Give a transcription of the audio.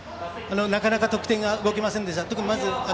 なかなか得点が動きませんでした。